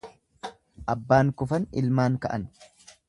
Abbaan kufan ilmaan ka'an.